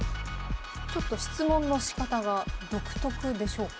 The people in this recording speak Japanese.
ちょっと質問のしかたが独特でしょうか？